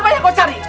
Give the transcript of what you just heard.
apa yang kamu cari